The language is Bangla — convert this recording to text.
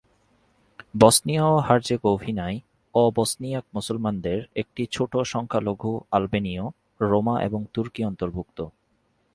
বসনিয়া ও হার্জেগোভিনায় অ-বসনিয়াক মুসলমানদের একটি ছোট সংখ্যালঘু আলবেনীয়, রোমা এবং তুর্কি অন্তর্ভুক্ত।